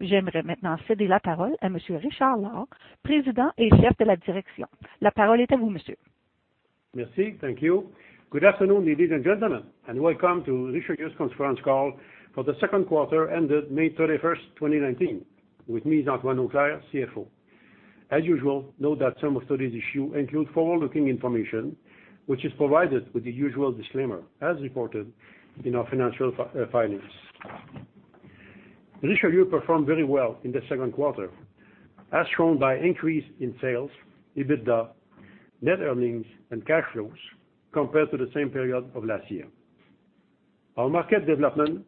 Thank you. Good afternoon, ladies and gentlemen, and welcome to Richelieu's conference call for the second quarter ended May 31st, 2019. With me is Antoine Auclair, CFO. As usual, note that some of today's issue include forward-looking information, which is provided with the usual disclaimer as reported in our financial filings. Richelieu performed very well in the second quarter, as shown by increase in sales, EBITDA, net earnings, and cash flows compared to the same period of last year. Our market development,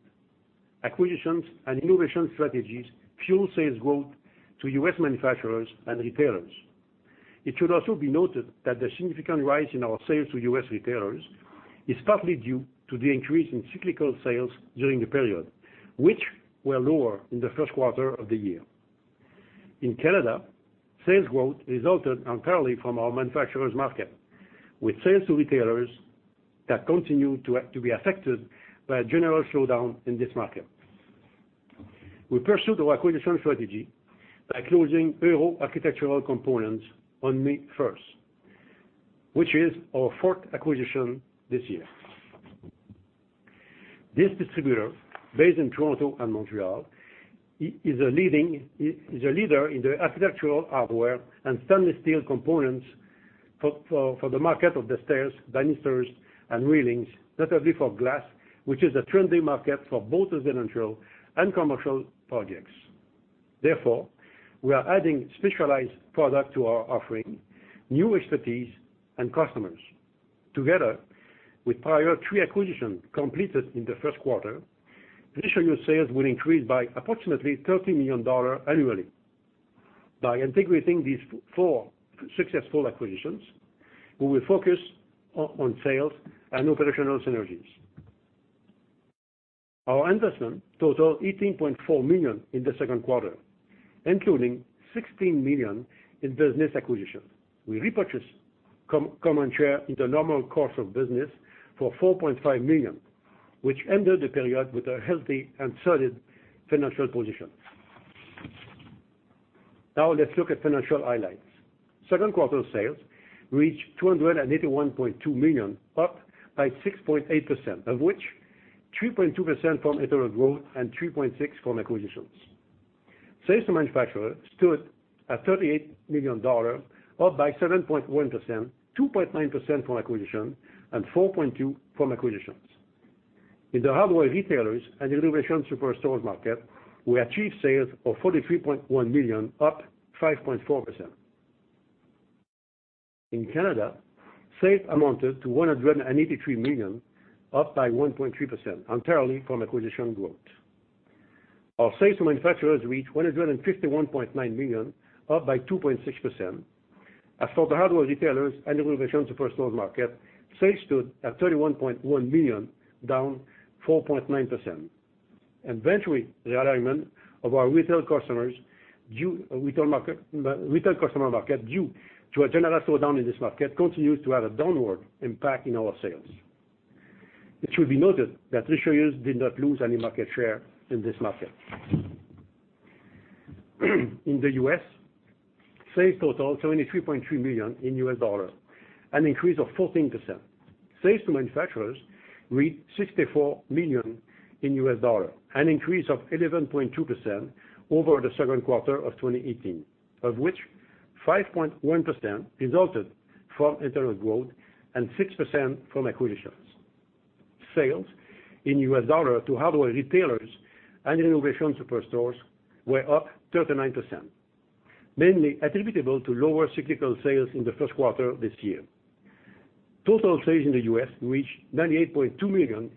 acquisitions, and innovation strategies fuel sales growth to U.S. manufacturers and retailers. It should also be noted that the significant rise in our sales to U.S. retailers is partly due to the increase in cyclical sales during the period, which were lower in the first quarter of the year. In Canada, sales growth resulted entirely from our manufacturer's market, with sales to retailers that continue to be affected by a general slowdown in this market. We pursue the acquisition strategy by closing Euro Architectural Components on May 1st, which is our fourth acquisition this year. This distributor, based in Toronto and Montreal, is a leader in the architectural hardware and stainless steel components for the market of the stairs, banisters, and railings, notably for glass, which is a trending market for both residential and commercial projects. Therefore, we are adding specialized product to our offering, new expertise, and customers. Together, with prior three acquisitions completed in the first quarter, Richelieu sales will increase by approximately 30 million dollars annually. By integrating these four successful acquisitions, we will focus on sales and operational synergies. Our investment totaled 18.4 million in the second quarter, including 16 million in business acquisitions. We repurchased common share in the normal course of business for 4.5 million, which ended the period with a healthy and solid financial position. Now, let's look at financial highlights. Second quarter sales reached 281.2 million, up by 6.8%, of which 2.2% from internal growth and 3.6% from acquisitions. Sales to manufacturer stood at 38 million dollars, up by 7.1%, 2.9% from internal growth and 4.2% from acquisitions. In the hardware retailers and renovation superstore market, we achieved sales of 43.1 million, up 5.4%. In Canada, sales amounted to 183 million, up by 1.3%, entirely from acquisition growth. Our sales to manufacturers reached 151.9 million, up by 2.6%. As for the hardware retailers and renovation superstore market, sales stood at 31.1 million, down 4.9%. Eventually, the alignment of our retail customer market due to a general slowdown in this market continues to have a downward impact in our sales. It should be noted that Richelieu did not lose any market share in this market. In the U.S., sales totaled $73.3 million in U.S. dollars, an increase of 14%. Sales to manufacturers reached $64 million, an increase of 11.2% over the second quarter of 2018, of which 5.1% resulted from internal growth and 6% from acquisitions. Sales in U.S. dollars to hardware retailers and renovation superstores were up 39%, mainly attributable to lower cyclical sales in the first quarter this year. Total sales in the U.S. reached 98.2 million,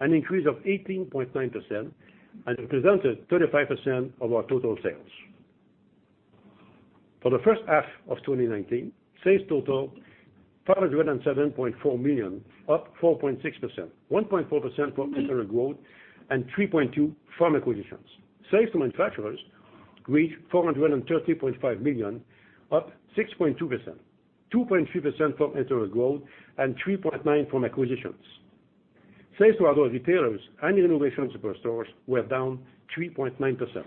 an increase of 18.9% and represented 35% of our total sales. For the first half of 2019, sales totaled CAD 507.4 million, up 4.6%, 1.4% from internal growth and 3.2% from acquisitions. Sales to manufacturers reached 430.5 million, up 6.2%, 2.3% from internal growth and 3.9% from acquisitions. Sales to hardware retailers and renovation superstores were down 3.9%.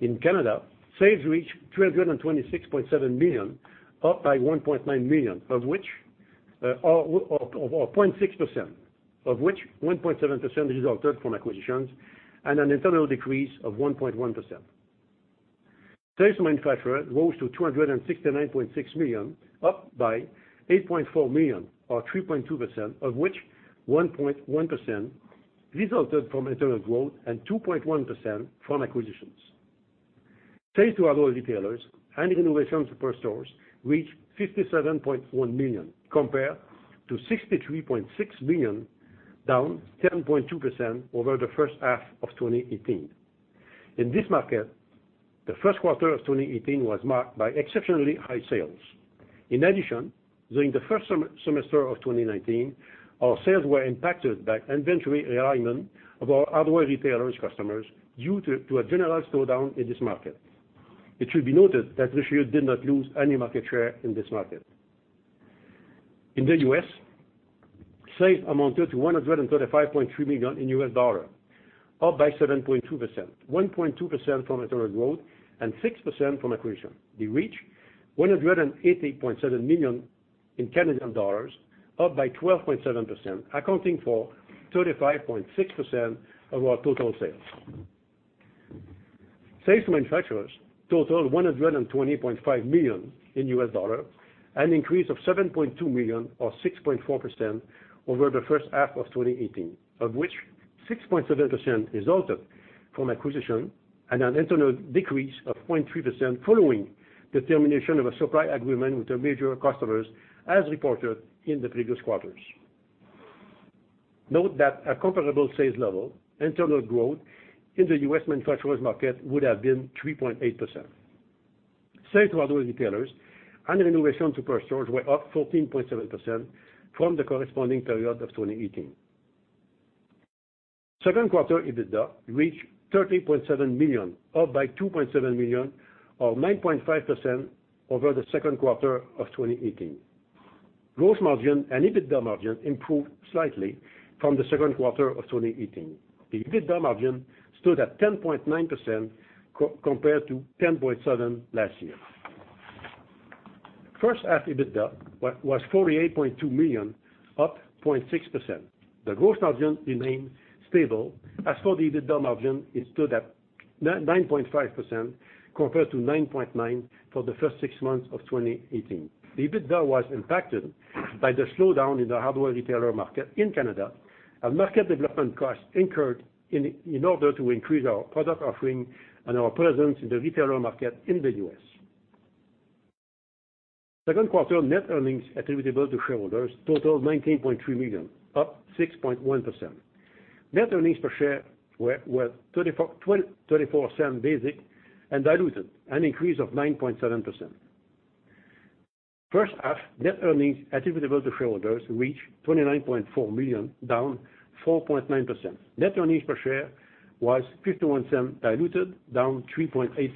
In Canada, sales reached 226.7 million, up by 1.9 million, of which 1.7% resulted from acquisitions and an internal decrease of 1.1%. Sales to manufacturers rose to 269.6 million, up by 8.4 million or 3.2%, of which 1.1% resulted from internal growth and 2.1% from acquisitions. Sales to other retailers and renovation superstores reached 57.1 million compared to 63.6 million, down 10.2% over the first half of 2018. In this market, the first quarter of 2018 was marked by exceptionally high sales. In addition, during the first semester of 2019, our sales were impacted by inventory realignment of our hardware retailers customers due to a general slowdown in this market. It should be noted that Richelieu did not lose any market share in this market. In the U.S., sales amounted to $135.3 million, up by 7.2%, 1.2% from internal growth and 6% from acquisitions. They reached 180.7 million, up by 12.7%, accounting for 35.6% of our total sales. Sales to manufacturers totaled 120.5 million, an increase of 7.2 million or 6.4% over the first half of 2018, of which 6.7% resulted from acquisitions and an internal decrease of 0.3% following the termination of a supply agreement with the major customers as reported in the previous quarters. Note that a comparable sales level internal growth in the U.S. manufacturer's market would have been 3.8%. Sales to other retailers and renovation superstores were up 14.7% from the corresponding period of 2018. Second quarter EBITDA reached 30.7 million, up by 2.7 million or 9.5% over the second quarter of 2018. Gross margin and EBITDA margin improved slightly from the second quarter of 2018. The EBITDA margin stood at 10.9% compared to 10.7% last year. First half EBITDA was 48.2 million, up 0.6%. The gross margin remained stable. As for the EBITDA margin, it stood at 9.5% compared to 9.9% for the first six months of 2018. The EBITDA was impacted by the slowdown in the hardware retailer market in Canada and market development costs incurred in order to increase our product offering and our presence in the retailer market in the U.S. Second quarter net earnings attributable to shareholders totaled 19.3 million, up 6.1%. Net earnings per share were 0.34 basic and diluted, an increase of 9.7%. First half net earnings attributable to shareholders reached 29.4 million, down 4.9%. Net earnings per share was 0.51 diluted, down 3.8%.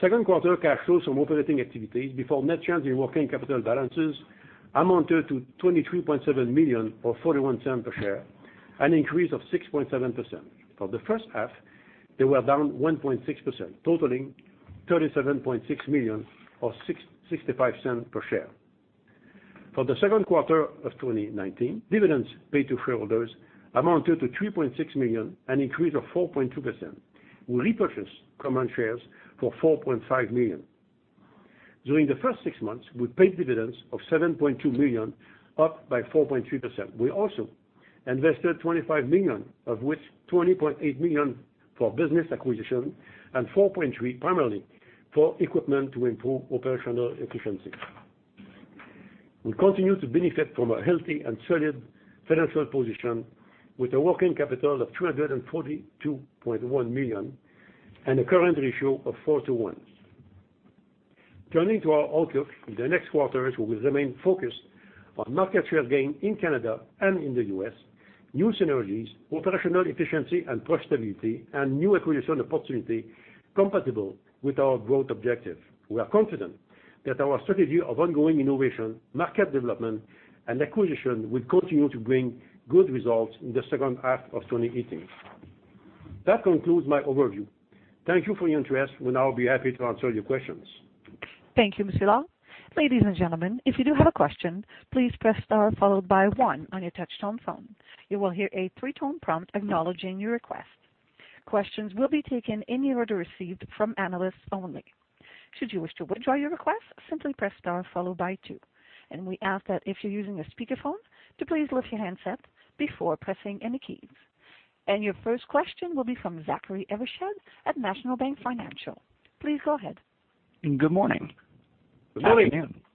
Second quarter cash flows from operating activities before net change in working capital balances amounted to 23.7 million or 0.41 per share, an increase of 6.7%. For the first half, they were down 1.6%, totaling 37.6 million or 0.65 per share. For the second quarter of 2019, dividends paid to shareholders amounted to 3.6 million, an increase of 4.2%. We repurchased common shares for 4.5 million. During the first six months, we paid dividends of 7.2 million, up by 4.3%. We also invested 25 million, of which 20.8 million for business acquisition and 4.3 primarily for equipment to improve operational efficiency. We continue to benefit from a healthy and solid financial position with a working capital of 242.1 million and a current ratio of 4:1. Turning to our outlook in the next quarters, we will remain focused on market share gain in Canada and in the U.S., new synergies, operational efficiency, and profitability and new acquisition opportunity compatible with our growth objective. We are confident that our strategy of ongoing innovation, market development, and acquisition will continue to bring good results in the second half of 2018. That concludes my overview. Thank you for your interest. We'll now be happy to answer your questions. Thank you, Lord. Ladies and gentlemen, if you do have a question, please press star followed by one on your touch-tone phone. You will hear a three-tone prompt acknowledging your request. Questions will be taken in the order received from analysts only. Should you wish to withdraw your request, simply press star followed by two. We ask that if you're using a speakerphone, to please lift your handset before pressing any keys. Your first question will be from Zachary Evershed at National Bank Financial. Please go ahead. Good morning. Good morning.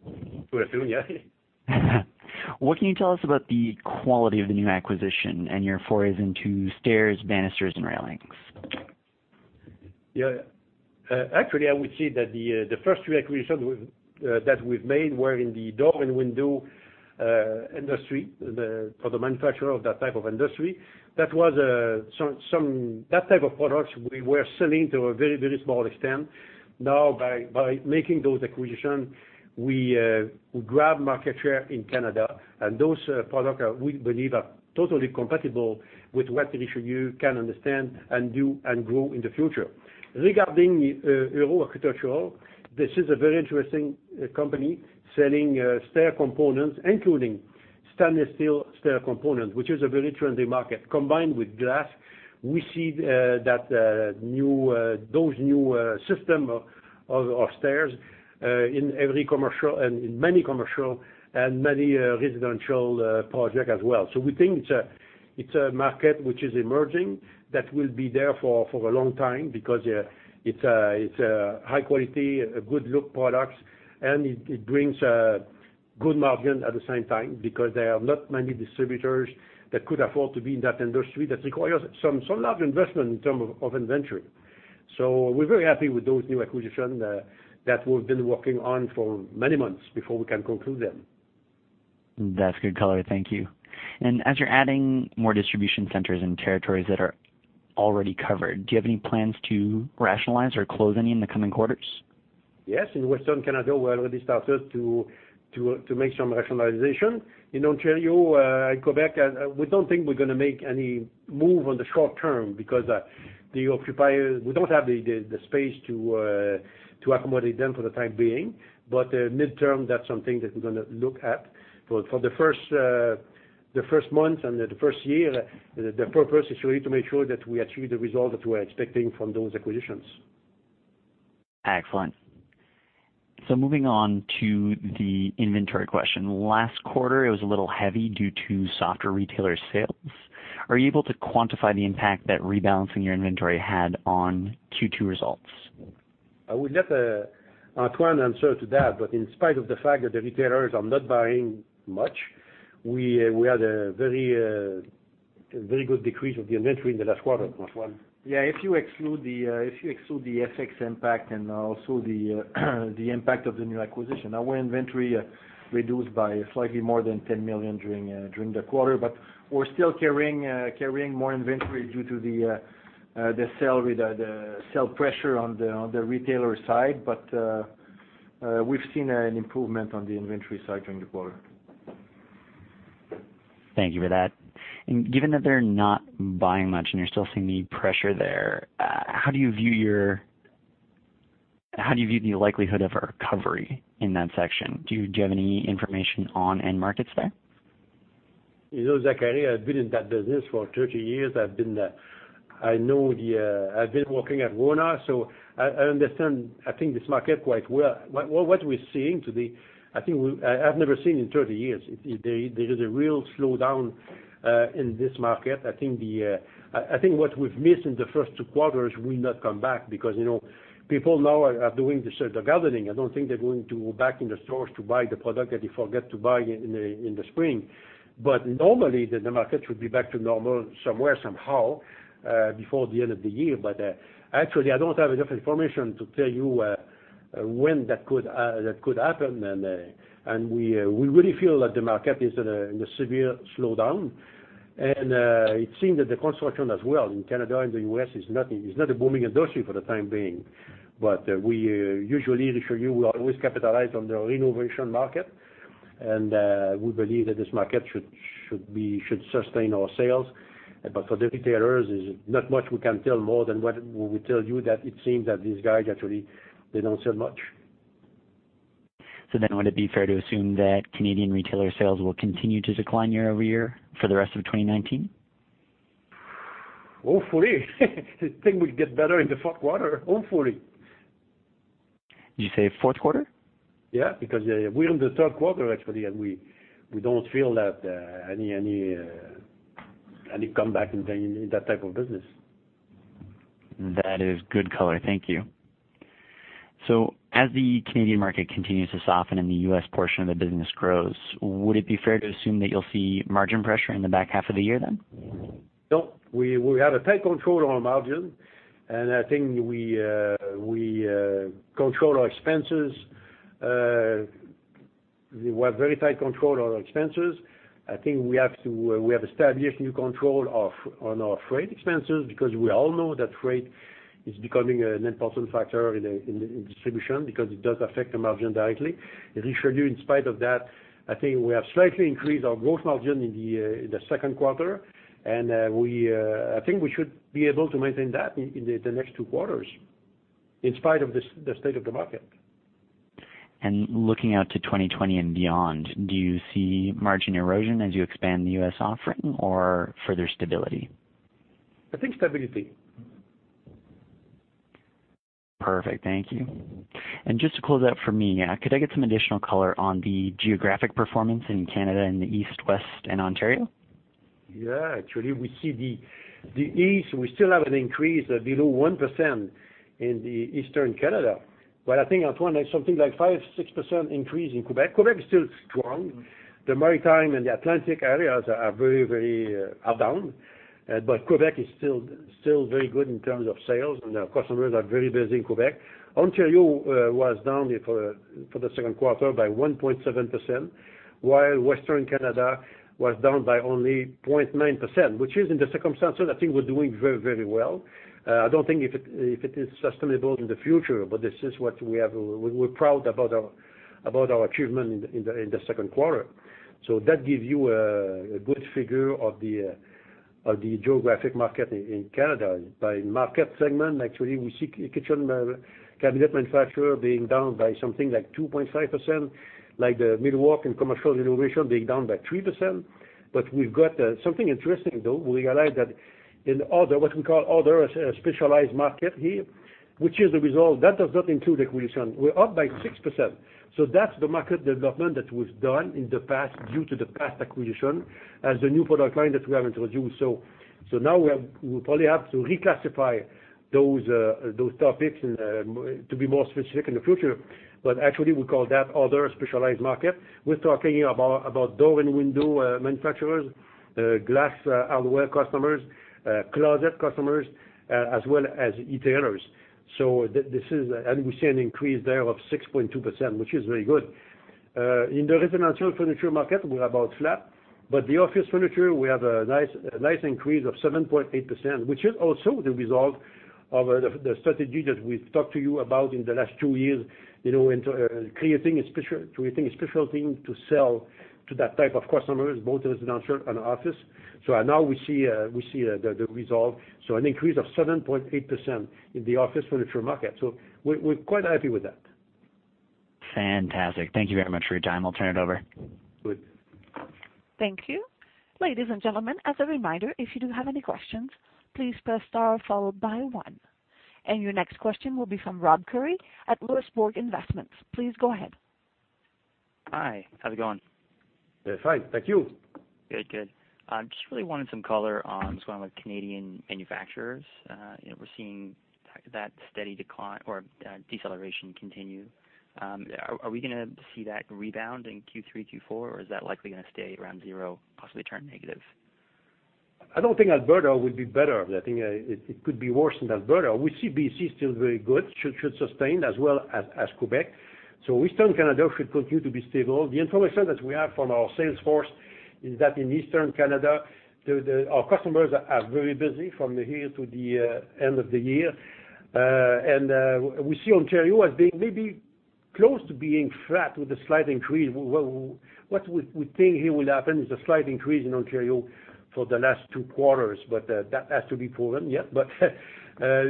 Afternoon. Afternoon, yeah. What can you tell us about the quality of the new acquisition and your forays into stairs, banisters, and railings? Yeah. Actually, I would say that the first two acquisitions that we've made were in the door and window industry, for the manufacturer of that type of industry. That type of products we were selling to a very small extent. Now by making those acquisitions, we grab market share in Canada and those products, we believe, are totally compatible with what Richelieu can understand and do and grow in the future. Regarding Euro Architectural, this is a very interesting company selling stair components, including stainless steel stair components, which is a very trendy market. Combined with glass, we see those new system of stairs in many commercial and many residential projects as well. We think it's a market which is emerging that will be there for a long time because it's a high quality, good look products. It brings good margin at the same time because there are not many distributors that could afford to be in that industry. That requires some large investment in term of inventory. We're very happy with those new acquisitions that we've been working on for many months before we can conclude them. That's good color. Thank you. As you're adding more distribution centers and territories that are already covered, do you have any plans to rationalize or close any in the coming quarters? Yes. In Western Canada, we already started to make some rationalization. In Ontario, Quebec, we don't think we're going to make any move on the short term because the occupier, we don't have the space to accommodate them for the time being. Midterm, that's something that we're going to look at. For the first month and the first year, the purpose is really to make sure that we achieve the result that we're expecting from those acquisitions. Excellent. Moving on to the inventory question. Last quarter, it was a little heavy due to softer retailer sales. Are you able to quantify the impact that rebalancing your inventory had on Q2 results? I will let Antoine answer to that. In spite of the fact that the retailers are not buying much, we had a very good decrease of the inventory in the last quarter. Antoine? Yeah, if you exclude the FX impact and also the impact of the new acquisition, our inventory reduced by slightly more than 10 million during the quarter. We're still carrying more inventory due to the sell pressure on the retailer side. We've seen an improvement on the inventory side during the quarter. Thank you for that. Given that they're not buying much and you're still seeing the pressure there, how do you view the likelihood of a recovery in that section? Do you have any information on end markets there? You know, Zachary, I've been in that business for 30 years. I've been working at RONA, so I understand, I think, this market quite well. What we're seeing today, I think I've never seen in 30 years. There is a real slowdown in this market. I think what we've missed in the first two quarters will not come back because people now are doing the gardening. I don't think they're going to go back in the stores to buy the product that they forget to buy in the spring. Normally, the market should be back to normal somewhere, somehow, before the end of the year. Actually, I don't have enough information to tell you when that could happen. We really feel that the market is in a severe slowdown, and it seems that the construction as well in Canada and the U.S. is not a booming industry for the time being. We usually reassure you, we always capitalize on the renovation market, and we believe that this market should sustain our sales. For the retailers, there's not much we can tell more than what we tell you that it seems that these guys actually, they don't sell much. Would it be fair to assume that Canadian retailer sales will continue to decline year-over-year for the rest of 2019? Hopefully. I think we get better in the fourth quarter, hopefully. Did you say fourth quarter? Yeah, because we're in the third quarter, actually, we don't feel any comeback in that type of business. That is good color. Thank you. As the Canadian market continues to soften and the U.S. portion of the business grows, would it be fair to assume that you'll see margin pressure in the back half of the year, then? No. We have a tight control on our margin, I think we control our expenses. We have very tight control on our expenses. I think we have established new control on our freight expenses because we all know that freight is becoming an important factor in distribution because it does affect the margin directly. To reassure you, in spite of that, I think we have slightly increased our gross margin in the second quarter, I think we should be able to maintain that in the next two quarters in spite of the state of the market. Looking out to 2020 and beyond, do you see margin erosion as you expand the U.S. offering or further stability? I think stability. Perfect. Thank you. Just to close out for me, could I get some additional color on the geographic performance in Canada in the East, West, and Ontario? Actually, we see the East, we still have an increase below 1% in the Eastern Canada. I think, Antoine, something like 5%-6% increase in Quebec. Quebec is still strong. The Maritime and the Atlantic areas are down. Quebec is still very good in terms of sales, and our customers are very busy in Quebec. Ontario was down for the second quarter by 1.7%, while Western Canada was down by only 0.9%, which is in the circumstances, I think we're doing very well. I don't think if it is sustainable in the future, but this is what we're proud about our achievement in the second quarter. That gives you a good figure of the geographic market in Canada. By market segment, actually, we see kitchen cabinet manufacturer being down by something like 2.5%, like the millwork and commercial renovation being down by 3%. We've got something interesting, though. We realized that in other, what we call other specialized market here, which is the result, that does not include acquisition. We're up by 6%. That's the market development that was done in the past due to the past acquisition as a new product line that we have introduced. Now we probably have to reclassify those topics to be more specific in the future. Actually, we call that other specialized market. We're talking about door and window manufacturers, glass hardware customers, closet customers, as well as e-tailers. We see an increase there of 6.2%, which is very good. In the residential furniture market, we're about flat. The office furniture, we have a nice increase of 7.8%, which is also the result of the strategy that we've talked to you about in the last two years, into creating a special team to sell to that type of customers, both residential and office. Now we see the result. An increase of 7.8% in the office furniture market. We're quite happy with that. Fantastic. Thank you very much for your time. I'll turn it over. Good. Thank you. Ladies and gentlemen, as a reminder, if you do have any questions, please press star followed by one. Your next question will be from Robert Currie at Louisbourg Investments. Please go ahead. Hi. How's it going? Fine. Thank you. Good. Just really wanted some color on some of Canadian manufacturers. We're seeing that steady decline or deceleration continue. Are we gonna see that rebound in Q3, Q4, or is that likely gonna stay around zero, possibly turn negative? I don't think Alberta would be better. I think it could be worse than Alberta. We see BC still very good. Should sustain as well as Quebec. Western Canada should continue to be stable. The information that we have from our sales force is that in Eastern Canada, our customers are very busy from here to the end of the year. We see Ontario as being maybe close to being flat with a slight increase. What we think here will happen is a slight increase in Ontario for the last two quarters, but that has to be proven yet.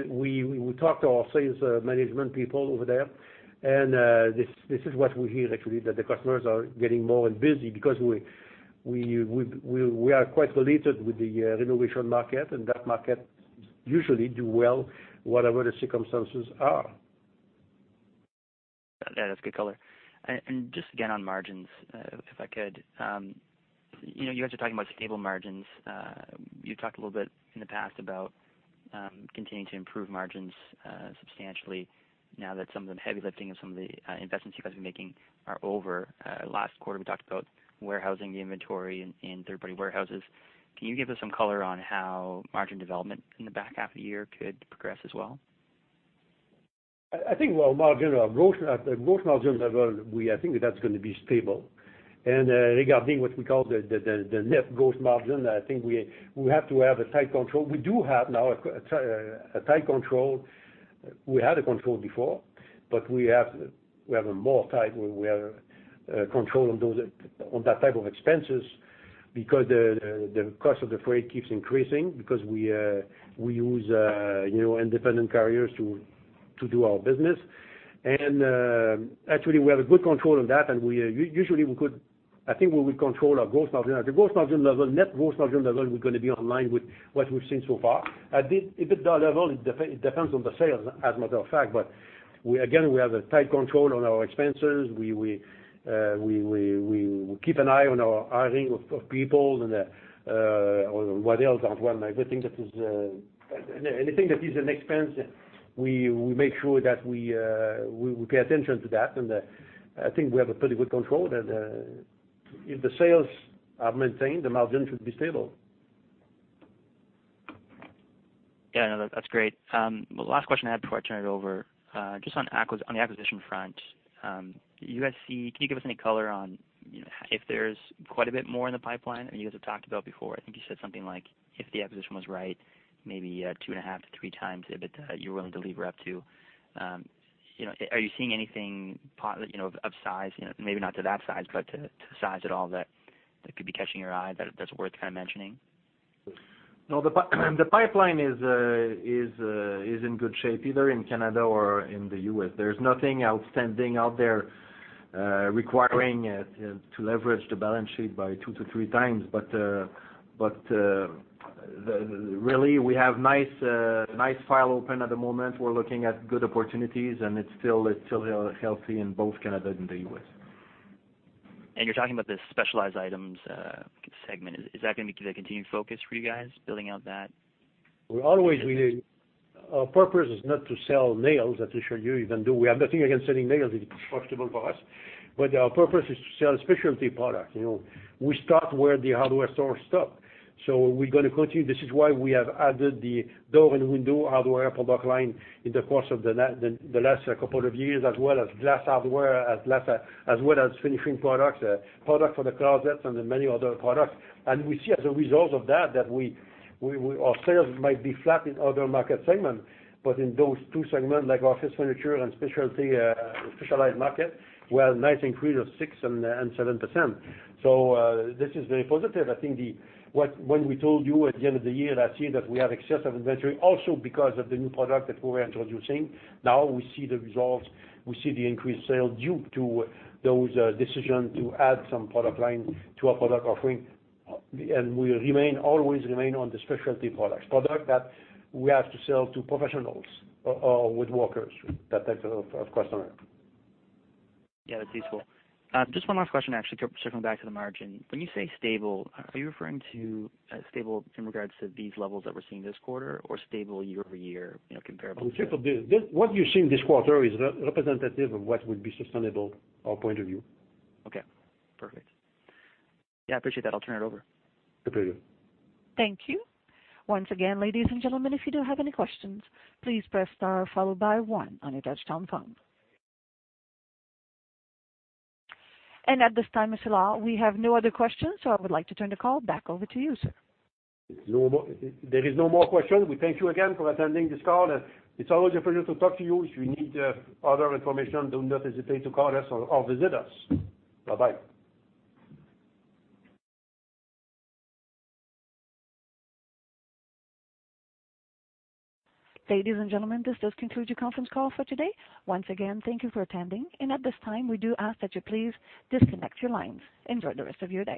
We talk to our sales management people over there, and this is what we hear, actually, that the customers are getting more and busy because we are quite related with the renovation market, and that market usually do well whatever the circumstances are. Yeah, that's good color. Just again on margins, if I could. You guys are talking about stable margins. You talked a little bit in the past about continuing to improve margins substantially now that some of the heavy lifting of some of the investments you guys have been making are over. Last quarter, we talked about warehousing the inventory in third-party warehouses. Can you give us some color on how margin development in the back half of the year could progress as well? I think our gross margin level, I think that's going to be stable. Regarding what we call the net gross margin, I think we have to have a tight control. We do have now a tight control. We had a control before, but we have control on that type of expenses because the cost of the freight keeps increasing because we use independent carriers to do our business. Actually, we have a good control of that, usually, I think we will control our gross margin. At the gross margin level, net gross margin level, we're going to be online with what we've seen so far. At the EBITDA level, it depends on the sales as a matter of fact. Again, we have a tight control on our expenses. We keep an eye on our hiring of people and what else, Antoine? Anything that is an expense, we make sure that we pay attention to that. I think we have a pretty good control. If the sales are maintained, the margin should be stable. Yeah, no, that's great. Well, last question I had before I turn it over, just on the acquisition front. Can you give us any color on if there's quite a bit more in the pipeline? You guys have talked about before, I think you said something like, if the acquisition was right, maybe two and a half to three times EBITDA, you're willing to lever up to. Are you seeing anything of size, maybe not to that size, but to size at all that could be catching your eye that's worth mentioning? No, the pipeline is in good shape, either in Canada or in the U.S. There's nothing outstanding out there requiring to leverage the balance sheet by two to three times. Really, we have nice file open at the moment. We're looking at good opportunities, it's still healthy in both Canada and the U.S. You're talking about the specialized items segment. Is that going to be the continued focus for you guys, building out that? Our purpose is not to sell nails, as we showed you. We have nothing against selling nails if it's profitable for us. Our purpose is to sell specialty products. We start where the hardware stores stop. We're going to continue. This is why we have added the door and window hardware product line in the course of the last couple of years, as well as glass hardware, as well as finishing products, product for the closets and the many other products. We see as a result of that our sales might be flat in other market segments. In those two segments, like office furniture and specialty specialized market, we have nice increase of 6% and 7%. This is very positive. I think when we told you at the end of the year last year that we have excess of inventory also because of the new product that we were introducing. Now we see the results. We see the increased sale due to those decisions to add some product line to our product offering. We will always remain on the specialty products. Product that we have to sell to professionals or with workers, that type of customer. Yeah, that's useful. Just one last question, actually, circling back to the margin. When you say stable, are you referring to stable in regards to these levels that we're seeing this quarter or stable year-over-year comparable to- What you see in this quarter is representative of what will be sustainable our point of view. Okay, perfect. Yeah, I appreciate that. I'll turn it over. A pleasure. Thank you. Once again, ladies and gentlemen, if you do have any questions, please press star followed by one on your touchtone phone. At this time, Mr. Lord, we have no other questions, so I would like to turn the call back over to you, sir. There is no more question. We thank you again for attending this call. It's always a pleasure to talk to you. If you need other information, do not hesitate to call us or visit us. Bye-bye. Ladies and gentlemen, this does conclude your conference call for today. Once again, thank you for attending. At this time, we do ask that you please disconnect your lines. Enjoy the rest of your day.